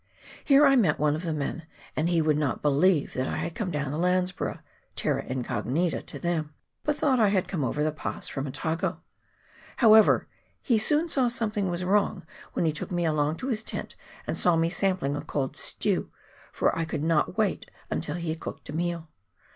Here I met one of the men, and he would not believe that I had come down the Landsborough — terra incognita to them — but thought I had come over the pass from Otago. However, he soon saw something was wrong when he took me along to his tent, and saw me sampling a cold stew, for I could not wait until he had cooked a meal.